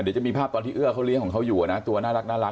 เดี๋ยวจะมีภาพตอนที่เอื้อเขาเลี้ยงของเขาอยู่นะตัวน่ารัก